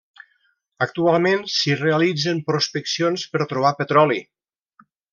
Actualment s'hi realitzen prospeccions per trobar petroli.